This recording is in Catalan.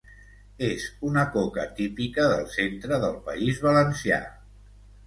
És una coca típica del centre del País Valencià.